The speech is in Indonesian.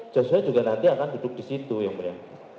joshua juga nanti akan duduk di situ yang mulia